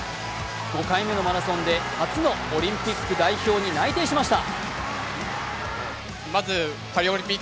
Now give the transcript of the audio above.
５回目のマラソンで初のオリンピック代表に内定しました。